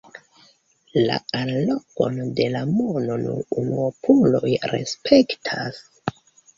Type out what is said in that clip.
La allogon de la mono nur unuopuloj respektas.